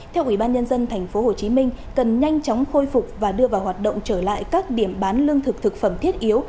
theo ubnd tp hcm cần nhanh chóng khôi phục và đưa vào hoạt động trở lại các điểm bán lương thực thực phẩm thiết yếu